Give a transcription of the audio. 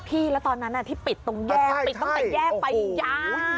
พี่แล้วตอนนั้นที่ปิดตรงแยกปิดตั้งแต่แยกไฟยาว